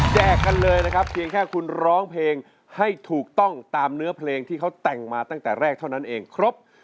แจกกันเลยนะครับเพียงแค่คุณร้องเพลงให้ถูกต้องตามเนื้อเพลงที่เขาแต่งมาตั้งแต่แรกเท่านั้นเองครบ